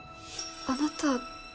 あなた誰？